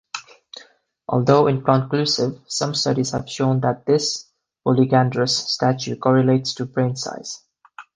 Although inconclusive, some studies have shown that this polygnandrous statue correlates to brain size.